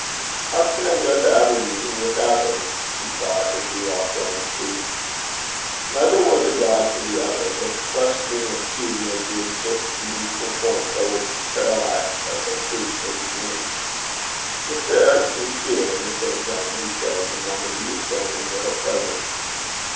'How can I go to Aberdeen without him?' he thought as he walked down the street. Neither was a guide to the other; but the questioning of two may give just the needful points by which the parallax of a truth may be gained. 'Mr. Ericson's here, Miss St. John,' he said, the moment he was shown into her presence.